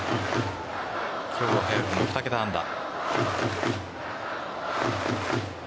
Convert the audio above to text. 今日は早くも２桁安打。